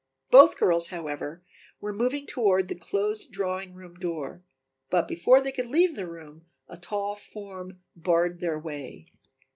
Both girls, however, were moving toward the closed drawing room door, but before they could leave the room a tall form barred their way.